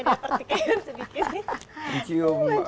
masih kayak sedikit